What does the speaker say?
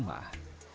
di setiap rumah